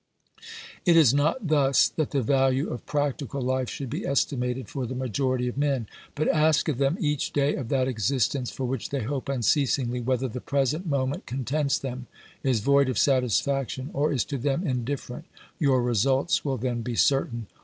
It is not thus that the value of practical life should be estimated for the majority of men. But ask of them each day of that existence, for which they hope unceasingly, whether the present moment contents them, is void of satisfaction, or is to them indifferent ; your results will then be certain.